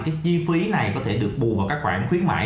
cái chi phí này có thể được bù vào các khoản khuyến mại